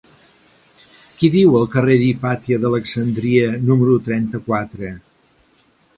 Qui viu al carrer d'Hipàtia d'Alexandria número trenta-quatre?